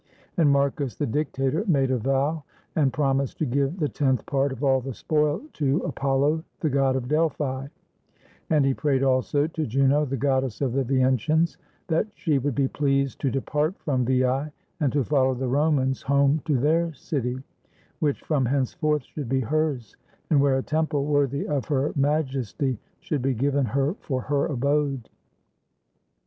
And Marcus, the dictator, made a vow, and promised to give the tenth part of all the spoil to Apollo, the god of Del phi; and he prayed also to Juno, the goddess of the Veientians, that she would be pleased to depart from Veii, and to follow the Romans home to their city, which from henceforth should be hers, and where a temple worthy of her majesty should be given her for her abode.